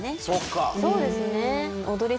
そうですね。